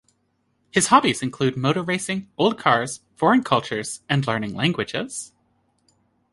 His hobbies include motor racing, old cars, foreign cultures and learning languages.